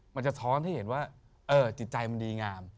มันสะท้อนให้เห็นว่าจิตใจมันดีงาม